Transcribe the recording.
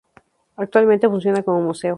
Actualmente funciona como museo.